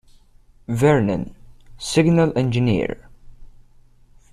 Vernon, Signal Engineer.